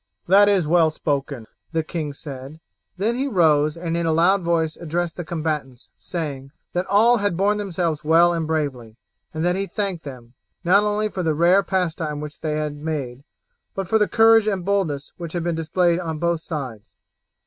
"That is well spoken," the king said. Then he rose and in a loud voice addressed the combatants, saying, that all had borne themselves well and bravely, and that he thanked them, not only for the rare pastime which they had made, but for the courage and boldness which had been displayed on both sides.